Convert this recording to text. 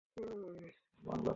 চল যাই, পোন্নি।